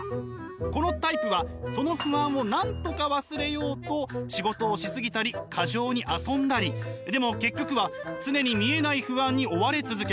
このタイプはその不安をなんとか忘れようとでも結局は常に見えない不安に追われ続けます。